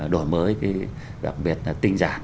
đổi mới đặc biệt là tinh giản